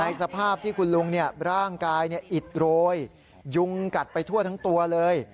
สภาพที่คุณลุงร่างกายอิดโรยยุงกัดไปทั่วทั้งตัวเลย